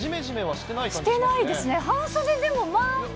してないですね。